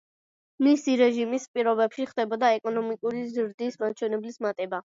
მისი რეჟიმის პირობებში ხდებოდა ეკონომიკური ზრდის მაჩვენებლის მატება.